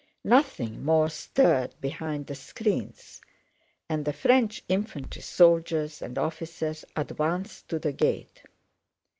Nothing more stirred behind the screens and the French infantry soldiers and officers advanced to the gate.